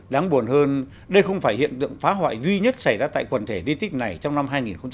đáng buồn hơn đây không phải hiện tượng phá hoại duy nhất xảy ra tại quần thể di tích này trong năm hai nghìn một mươi chín